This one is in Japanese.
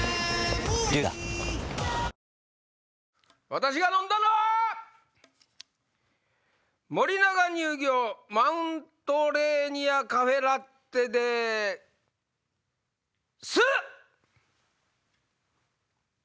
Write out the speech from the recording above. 私が飲んだのは森永乳業マウントレーニアカフェラッテです！